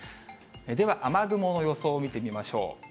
では、雨雲の予想を見てみましょう。